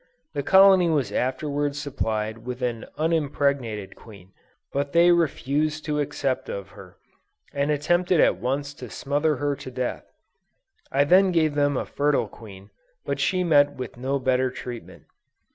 This colony was afterwards supplied with an unimpregnated queen, but they refused to accept of her, and attempted at once to smother her to death. I then gave them a fertile queen, but she met with no better treatment.